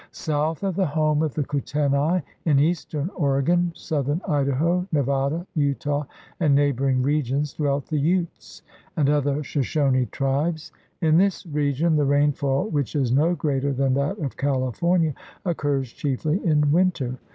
South of the home of the Kutenai, in eastern Oregon, southern Idaho, Nevada, Utah, and neighboring regions dwelt the Utes and other Shoshoni tribes. In this region the rainfall, which is no greater than that of California, occurs chiefly in winter.